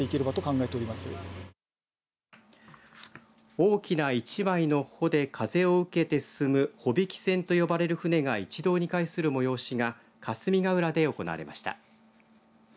大きな一枚の帆で風を受けて進む帆引き船と呼ばれる船が一堂に会する催しが霞ヶ浦で行われました。